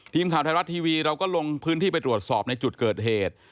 ทีมข่าวไทยรัฐทีวีเราก็ลงพื้นที่ไปตรวจสอบในจุดเกิดเหตุ